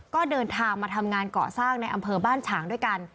ก็เดินทางมาทำงานเกาะสร้างในอำเภอบ้านฉางด้วยกัน